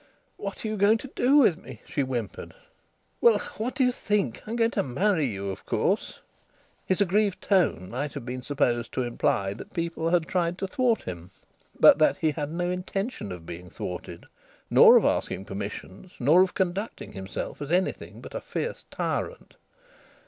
"What are you going to do with me?" she whimpered. "Well, what do you think? I'm going to marry you, of course." His aggrieved tone might have been supposed to imply that people had tried to thwart him, but that he had no intention of being thwarted, nor of asking permissions, nor of conducting himself as anything but a fierce tyrant.